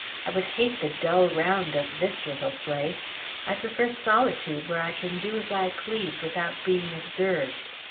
I would hate the dull round of this little place; I prefer solitude where I can do as I please without being observed.